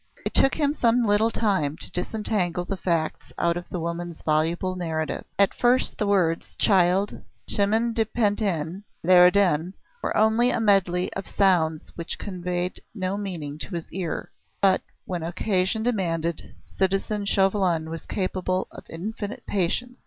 It took him some little time to disentangle the tangible facts out of the woman's voluble narrative. At first the words: "Child ... Chemin de Pantin ... Leridan," were only a medley of sounds which conveyed no meaning to his ear. But when occasion demanded, citizen Chauvelin was capable of infinite patience.